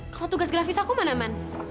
kalau tugas grafis aku mana mana